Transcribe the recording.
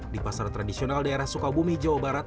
di pasar tradisional daerah sukabumi jawa barat